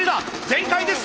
全開です！